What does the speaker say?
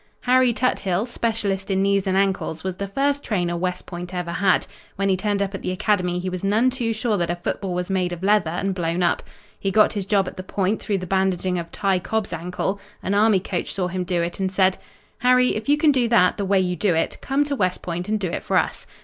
Harry Tuthill, specialist in knees and ankles, was the first trainer West Point ever had. When he turned up at the Academy he was none too sure that a football was made of leather and blown up. He got his job at the Point through the bandaging of Ty Cobb's ankle. An Army coach saw him do it and said: "Harry, if you can do that, the way you do it, come to West Point and do it for us."